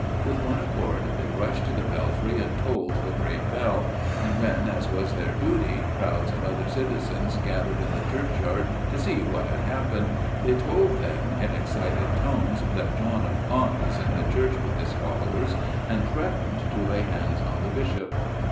With one accord they rushed to the belfry and tolled the great bell, and when, as was their duty, crowds of other citizens gathered in the churchyard to see what had happened, they told them, in excited tones, that John of Gaunt was in the church with his followers, and threatening to lay hands on the Bishop.